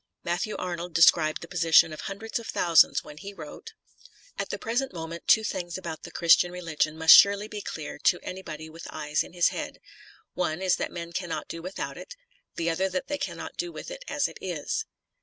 Matthew Arnold described the position of hun dreds of thousands when he wrote :" At the present moment two things about the Christian religion must surely be clear to anybody with eyes in his head. One is that men cannot do without it ; the other that they cannot do with it as it is."